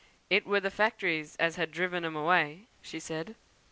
"It wur the factories as had driven 'em away," she said.